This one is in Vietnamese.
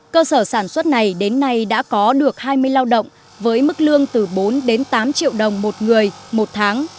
cơ sở sản xuất này đến nay đã có được hai mươi lao động với mức lương từ bốn đến tám triệu đồng một người một tháng